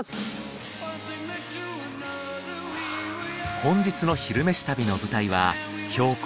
本日の「昼めし旅」の舞台は標高